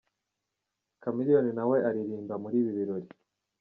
Chameleone nawe aririmba muri ibi birori.